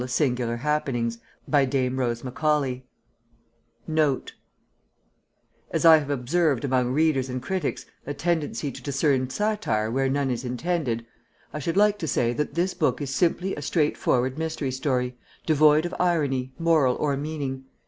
MARIA ALBANESI BIG PETER ARCHIBALD MARSHALL NOTE As I have observed among readers and critics a tendency to discern satire where none is intended, I should like to say that this book is simply a straightforward mystery story, devoid of irony, moral or meaning.